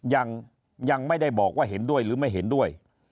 ยังไม่ได้บอกว่าเห็นด้วยหรือไม่เห็นด้วย